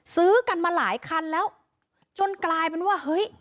ซื้อกันมาหลายคันแล้วจนกลายเป็นว่าเฮ้ย